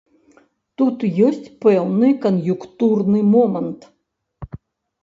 Тут ёсць пэўны кан'юнктурны момант.